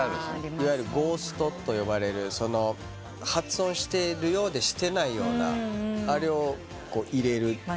いわゆるゴーストと呼ばれる発音してるようでしてないようなあれを入れるっていう。